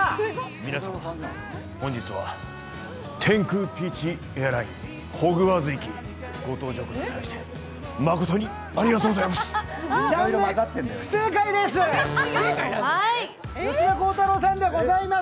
皆さん、本日は天空ピーチエアラインホグワーツ行きにご搭乗いただき誠にありがとうございます。